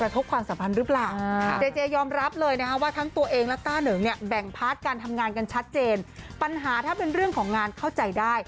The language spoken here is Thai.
แต่หลายคนเข้าเป็นหะวงนะว่า